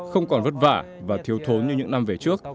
không còn vất vả và thiếu thốn như những năm về trước